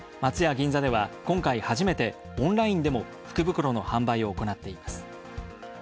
銀座では今回初めてオンラインでも福袋の販売を行っています。